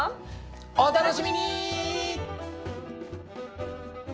お楽しみに！